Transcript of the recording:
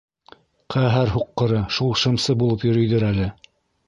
Ҡәһәр һуҡҡыры, шул шымсы булып йөрөйҙөр әле.